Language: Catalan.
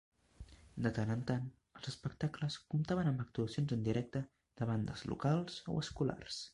De tant en tant, els espectacles comptaven amb actuacions en directe de bandes locals o escolars.